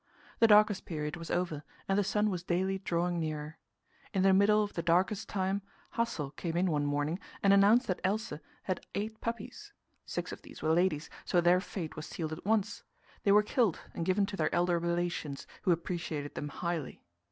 The darkest period was over, and the sun was daily drawing nearer. In the middle of the darkest time, Hassel came in one morning and announced that Else had eight puppies. Six of these were ladies, so their fate was sealed at once; they were killed and given to their elder relations, who appreciated them highly.